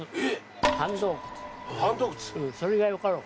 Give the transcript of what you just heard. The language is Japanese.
それがよかろう。